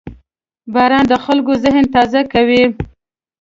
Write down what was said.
• باران د خلکو ذهن تازه کوي.